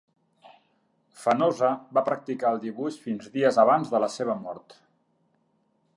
Fenosa va practicar el dibuix fins dies abans de la seva mort.